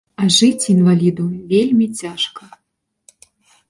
А жыць інваліду вельмі цяжка.